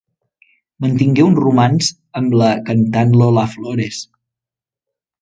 Mantingué un romanç amb la cantant Lola Flores.